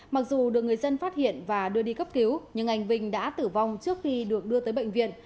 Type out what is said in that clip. mặc dù được người dân phát hiện và đưa đi cấp cứu nhưng anh vinh đã tử vong trước khi được đưa tới bệnh viện